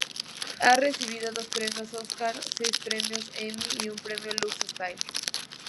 Ha recibido dos premios Oscar, seis premios Emmy y un premio Lux Style.